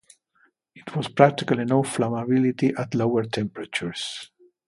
It has practically no flammability at lower temperatures.